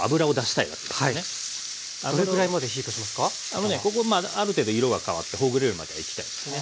あのねここある程度色が変わってほぐれるまではいきたいですね。